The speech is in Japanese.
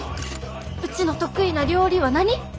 うちの得意な料理は何？